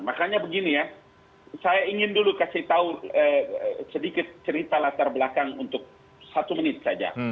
makanya begini ya saya ingin dulu kasih tahu sedikit cerita latar belakang untuk satu menit saja